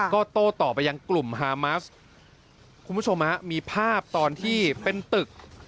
ก็โต้ต่อไปยังกลุ่มฮามัสคุณผู้ชมฮะมีภาพตอนที่เป็นตึก